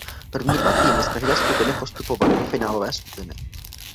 První dva týmy z každé skupiny postupovaly do finálové skupiny.